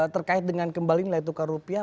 terkait dengan kembali nilai tukar rupiah